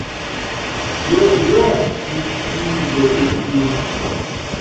Leur droit! me suis-je écrié.